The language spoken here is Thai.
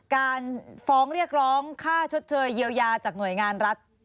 การฟ้องเรียกร้องค่าชดเชยเยียวยาจากหน่วยงานรัฐ